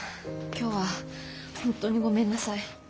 今日は本当にごめんなさい。